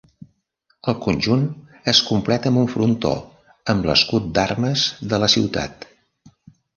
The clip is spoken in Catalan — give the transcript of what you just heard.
El conjunt es completa amb un frontó amb l'escut d'armes de la ciutat.